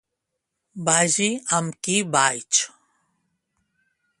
Vagi amb qui vaig.